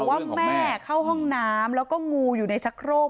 ใช่ค่ะบอกว่าแม่เข้าห้องน้ำแล้วก็งูอยู่ในชักโครก